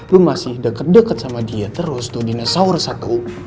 lo masih deket deket sama dia terus tuh dinosaurus satu